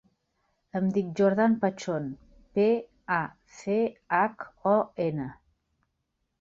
Em dic Jordan Pachon: pe, a, ce, hac, o, ena.